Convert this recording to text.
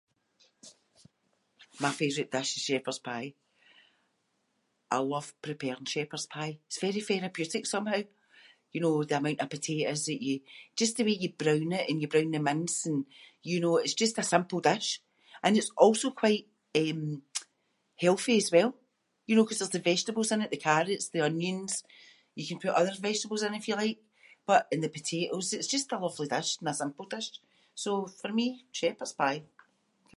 My favourite dish is shepherd’s pie. I love preparing shepherd’s pie. It’s very therapeutic somehow. You know, the amount of potatoes that you, just the way you brown it and you brown the mince and, you know, it’s just a simple dish. And it’s also quite um healthy as well, you know, ‘cause there’s the vegetables in it, the carrots, the onions. You can put other vegetables in if you like but- and the potatoes. It’s just a lovely dish and a simple dish. So for me, shepherd’s pie.